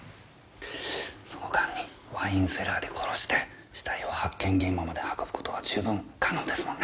その間にワインセラーで殺して死体を発見現場まで運ぶ事は十分可能ですもんね？